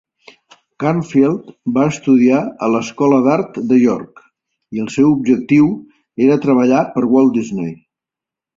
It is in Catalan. Carnfield va estudiar a l'escola d'Art de York i el seu objectiu era treballar per Walt Disney.